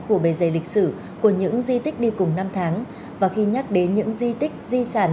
của bề dày lịch sử của những di tích đi cùng năm tháng và khi nhắc đến những di tích di sản